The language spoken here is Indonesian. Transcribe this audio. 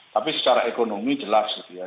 tapi secara ekonomi jelas gitu ya